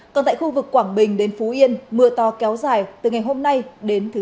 còn tại khu vực quảng bình đến phú yên mưa to kéo dài từ ngày hôm nay đến thứ sáu